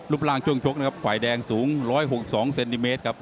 ดวงลูปร่างโชวงชกนะครับไขวดแดงสูง๑๖๒เซนติเมตรครับ